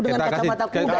dengan kacamata kuda